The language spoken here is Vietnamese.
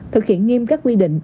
thực hiện nghiêm các quy định